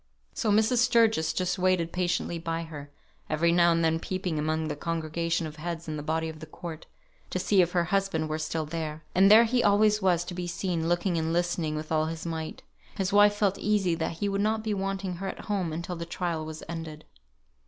So Mrs. Sturgis just waited patiently by her, every now and then peeping among the congregation of heads in the body of the court, to see if her husband were still there. And there he always was to be seen, looking and listening with all his might. His wife felt easy that he would not be wanting her at home until the trial was ended.